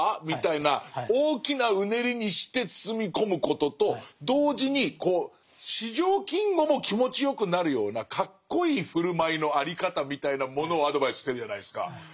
みたいな大きなうねりにして包み込むことと同時に四条金吾も気持ちよくなるようなかっこいい振る舞いの在り方みたいなものをアドバイスしてるじゃないですか。